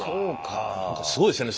すごいですよね